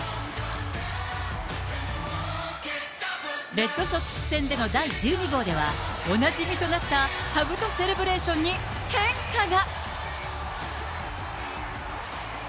レッドソックス戦での第１２号では、おなじみとなったかぶとセレブレーションに変化が。